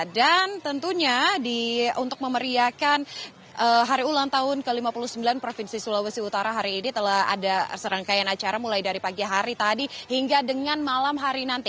dan tentunya untuk memeriahkan hari ulang tahun ke lima puluh sembilan provinsi sulawesi utara hari ini telah ada serangkaian acara mulai dari pagi hari tadi hingga dengan malam hari nanti